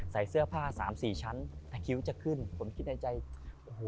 ใส่เสื้อผ้าสามสี่ชั้นแต่คิ้วจะขึ้นผมคิดในใจโอ้โห